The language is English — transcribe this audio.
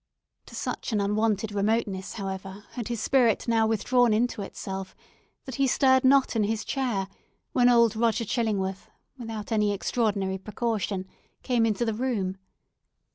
To such an unwonted remoteness, however, had his spirit now withdrawn into itself that he stirred not in his chair when old Roger Chillingworth, without any extraordinary precaution, came into the room.